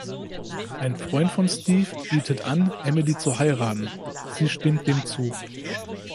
Ein Freund von Steve bietet an, Emily zu heiraten; sie stimmt dem zu.